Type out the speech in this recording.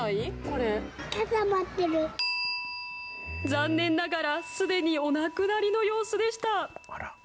残念ながら、すでにお亡くなりの様子でした。